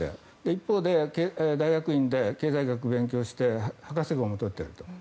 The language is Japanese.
一方で大学院で経済学を勉強して博士号も取っていると。